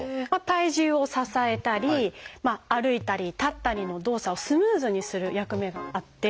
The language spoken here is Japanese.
体重を支えたり歩いたり立ったりの動作をスムーズにする役目があって。